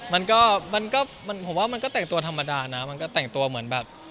มันก็มันก็ผมว่ามันก็แต่งตัวธรรมดานะมันก็แต่งตัวเหมือนแบบ